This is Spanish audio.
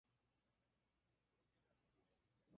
Alrededor de esta isla hay varios lugares de pesca.